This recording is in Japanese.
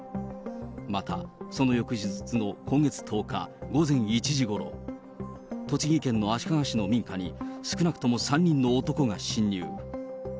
また、その翌日の今月１０日午前１時ごろ、栃木県の足利市の民家に、少なくとも３人の男が侵入。